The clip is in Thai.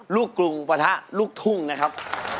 กรุงปะทะลูกทุ่งนะครับ